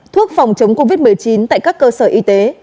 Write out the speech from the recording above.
thuốc phòng chống covid một mươi chín tại các cơ sở y tế